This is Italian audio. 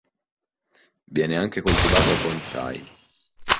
Viene anche coltivato a bonsai.